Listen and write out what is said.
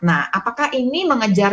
nah apakah ini mengejar